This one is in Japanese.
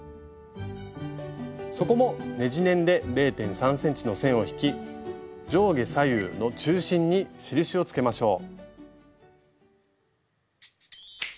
底もねじネンで０．３ｃｍの線を引き上下左右の中心に印をつけましょう。